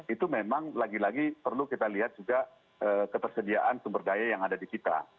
itu memang lagi lagi perlu kita lihat juga ketersediaan sumber daya yang ada di kita